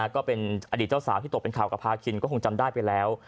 ก็เป็นอดีตเจ้าสาวที่ตกเป็นข่าวกับพาคินก็คงจำได้ไปแล้ว